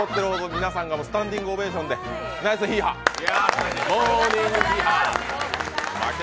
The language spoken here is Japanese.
皆さんがスタンディングオベーションで、ナイス「ヒーハー！」ローリングヒーハー。